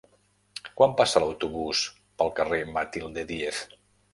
Quan passa l'autobús pel carrer Matilde Díez?